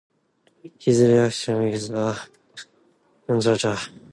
His relations with the missionaries also improved.